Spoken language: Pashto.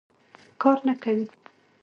کار نه کوي.